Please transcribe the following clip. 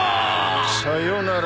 さようなら。